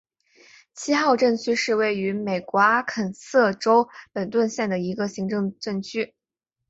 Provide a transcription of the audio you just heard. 七号镇区是位于美国阿肯色州本顿县的一个行政镇区。